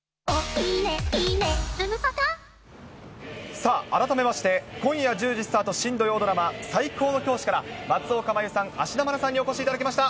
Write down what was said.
さあ、改めまして今夜１０時スタート、新土曜ドラマ、最高の教師から松岡茉優さん、芦田愛菜さんにお越しいただきました。